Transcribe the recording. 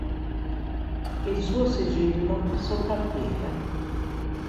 Il suo sigillo sopravvive.